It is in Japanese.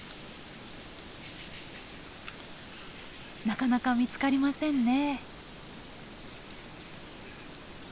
なかなか見つかりませんね。